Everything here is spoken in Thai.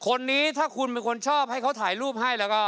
คนนี้ถ้าคุณเป็นคนชอบให้เขาถ่ายรูปให้แล้วก็